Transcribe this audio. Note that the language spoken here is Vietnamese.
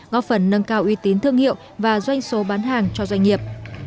góp phần nâng cao uy tín thương hiệu và doanh số bán hàng cho doanh nghiệp